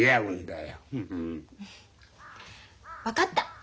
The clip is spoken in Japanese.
分かった。